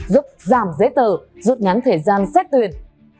giúp giảm giấy tờ rút ngắn thời gian xét tuyển